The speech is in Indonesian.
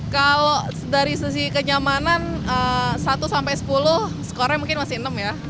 kalau dari sisi kenyamanan satu sampai sepuluh skornya mungkin masih enam ya